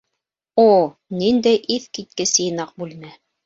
О, ниндәй иҫ киткес йыйнаҡ бүлмә!